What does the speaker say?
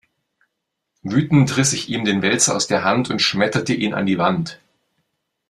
Wütend riss ich ihm den Wälzer aus der Hand und schmetterte ihn an die Wand.